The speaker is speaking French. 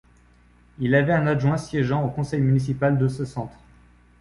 Il avait un adjoint siégeant au conseil municipal de ce centre.